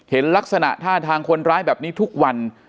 เห็นลักษณะท่าทางคนร้ายแบบนี้ทุกวัน